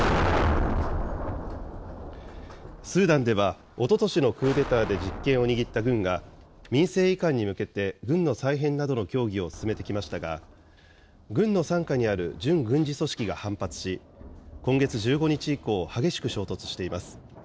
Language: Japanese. スーダンでは、おととしのクーデターで実権を握った軍が、民政移管に向けて軍の再編などの協議を進めてきましたが、軍の傘下にある準軍事組織が反発し、今月１５日以降、激しく衝突しています。